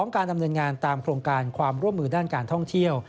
การดำเนินงานตามโครงการความร่วมมือด้านการท่องเที่ยว